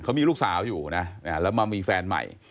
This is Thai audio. เขามีลูกสาวอยู่นะแล้วมามีแฟนใหม่